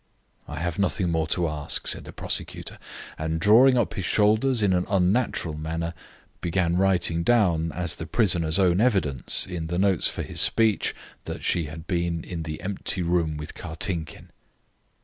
"I have nothing more to ask," said the prosecutor, and, drawing up his shoulders in an unnatural manner, began writing down, as the prisoner's own evidence, in the notes for his speech, that she had been in the empty room with Kartinkin.